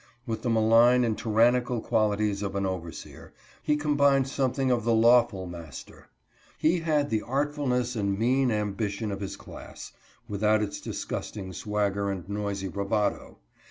With the malign and tyrannical qualities of an overseer he combined something of the lawful master. He had the artfulness and mean ambition of his class, without its disgusting swagger and noisy bravado.